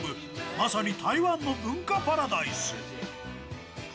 まさに台湾の文化パラダイス。